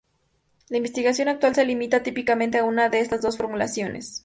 La investigación actual se limita típicamente a una de estas dos formulaciones.